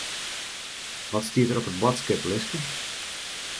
Wat stiet der op it boadskiplistke?